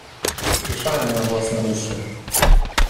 "Słyszałem na własne uszy."